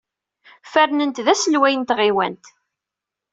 Fernen-t d aselway n tɣiwant.